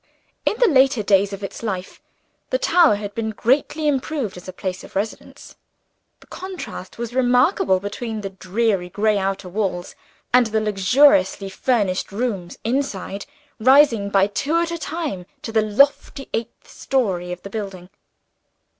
In the later days of its life, the tower had been greatly improved as a place of residence. The contrast was remarkable between the dreary gray outer walls, and the luxuriously furnished rooms inside, rising by two at a time to the lofty eighth story of the building.